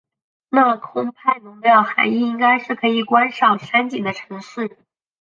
那空拍侬的涵义应该是可以观赏山景的城市。